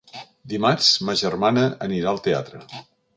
Dimarts ma germana anirà al teatre.